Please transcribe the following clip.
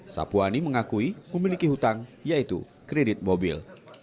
sapuani mengakui memiliki hutang yaitu kredit mobil